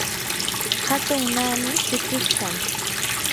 hatun naani huchushqam.